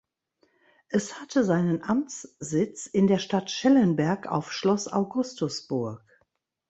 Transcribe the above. Es hatte seinen Amtssitz in der Stadt Schellenberg auf Schloss Augustusburg.